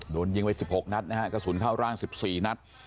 โดนยิงไป๑๖นัดนะฮะกระสุนเข้าร่าง๑๔นัด